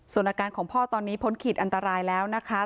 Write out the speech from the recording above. ส่วนอาการของพ่อตอนนี้พ้นขีดอันตรายแล้วนะคะ